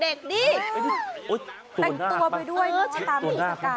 แต่งตัวไปด้วยเนาะตามหลีสกาย